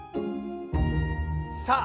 さあ！